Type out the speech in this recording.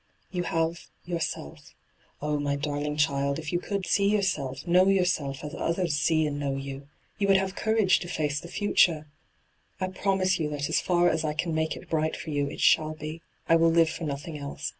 *Yon have — yourself Oh, my darling child, if you could see yourself, kuow yourself, as others see and know you, you would have courage to &ce the future I I promise you that as far as I can make it bright for you it shall be ; I will live for nothing else.